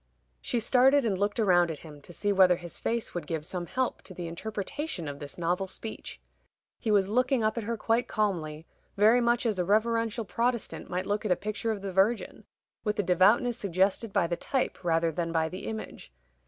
She started and looked round at him, to see whether his face would give some help to the interpretation of this novel speech. He was looking up at her quite calmly, very much as a reverential Protestant might look at a picture of the Virgin, with a devoutness suggested by the type rather than by the image.